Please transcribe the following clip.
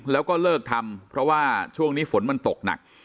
แล้วก็เลิกทำเพราะว่าช่วงนี้ฝนมันตกหนัก